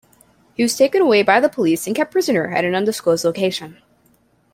He was taken away by the police and kept prisoner at an undisclosed location.